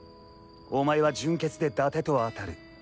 お前は準決で伊達とあたる。